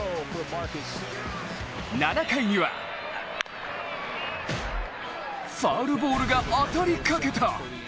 ７回には、ファウルボールが当たりかけた！